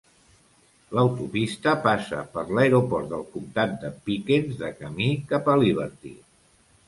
L'autopista passa per l'aeroport del comtat de Pickens de camí cap a Liberty.